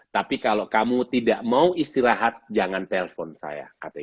tapi kalau kamu tidak mau istirahat jangan telpon saya